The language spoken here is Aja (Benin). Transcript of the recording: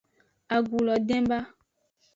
Agu lo den ba.